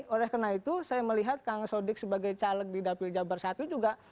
oleh karena itu saya melihat kang sodik sebagai caleg di dapil jabar satu juga